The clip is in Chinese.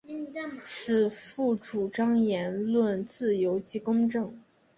此赋主张言论自由及公义。